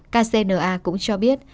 kcna cũng cho biết